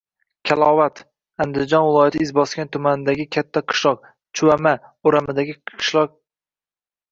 Kalavot - Andijon viloyati Izboskan tumanidagi katta qishloq-Chuvama o‘ramidagi kichik qishloq.